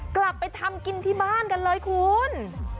กลับไปทำกินที่บ้านกันเลยคุณ